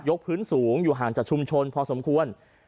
พื้นสูงอยู่ห่างจากชุมชนพอสมควร